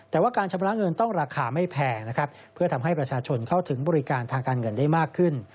แต่ว่าการชำระเงินต้องราคาไม่แพงนะครับเพื่อทำให้ประชาชนเข้าถึงบริการทางการเงินได้มากขึ้น